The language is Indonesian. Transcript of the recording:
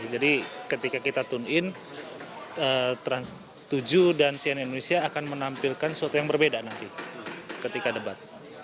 jadi ketika kita tune in trans tujuh dan sian indonesia akan menampilkan sesuatu yang berbeda nanti ketika debat